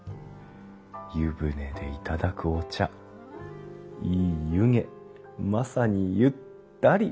湯船で頂くお茶いい湯気まさにゆ・ったり。